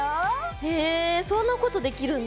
へえそんなことできるんだ。